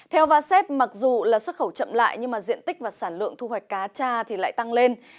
theo vá xếp mặc dù là xuất khẩu chậm lại nhưng diện tích và sản lượng thu hoạch cá tra lại tăng lên